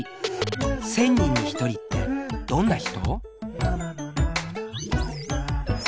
１０００人に１人ってどんな人？